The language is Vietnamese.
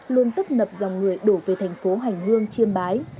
luôn tấp nập dòng người đổ về thành phố hành hương chiêm bái